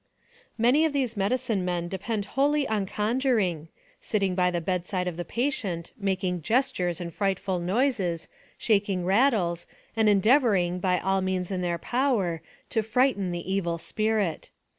Many of these medicine men depend wholly on con juring, sitting by the bedside of the patient, making gestures and frightful noises, shaking rattles, and endeavoring, by all means in their power, to frighten the evil spirit.